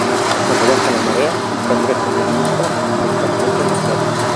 Cuando baja la marea, el cangrejo violinista busca alimento en la playa.